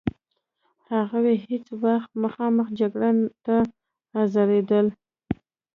هغوی هیڅ وخت مخامخ جګړې ته حاضرېدل.